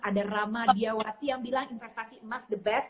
ada rama diawati yang bilang investasi emas the best